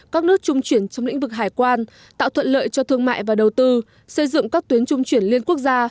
các nước trung chuyển trong lĩnh vực hải quan tạo thuận lợi cho thương mại và đầu tư xây dựng các tuyến trung chuyển liên quốc gia